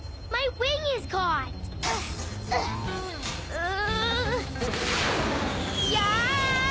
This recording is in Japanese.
うわ！